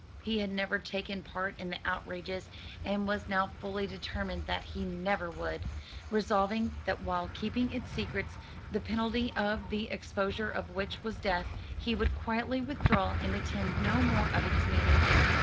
He had never taken part in the outrages and was now fully determined that he never would; resolving that while keeping its secrets, the penalty of the exposure of which was death, he would quietly withdraw and attend no more of its meetings.